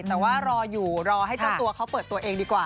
แต่ว่ารออยู่รอให้เจ้าตัวเขาเปิดตัวเองดีกว่า